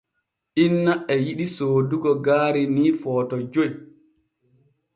Inna e yiɗi soodugo gaari ni Footo joy.